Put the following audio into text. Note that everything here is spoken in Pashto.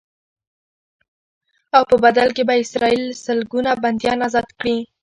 او په بدل کې به اسرائیل سلګونه بنديان ازاد کړي.